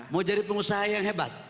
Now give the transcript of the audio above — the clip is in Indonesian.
mau jadi pengusaha yang hebat